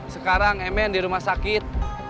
sekarang emen di rumah sakit